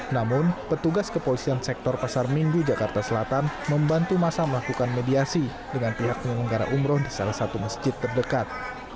namun petugas kepolisian sektor pasar minggu jakarta selatan membantu masa melakukan mediasi dengan pihak penyelenggara umroh di salah satu masjid terdekat